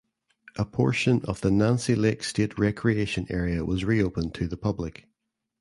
A portion of the Nancy Lake State Recreation Area was reopened to the public.